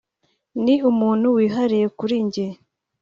ni umuntu wihariye kuri njye